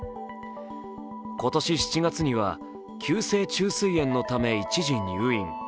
今年７月には、急性虫垂炎のため一時入院。